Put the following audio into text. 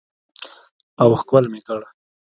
او ښکل مې کړ.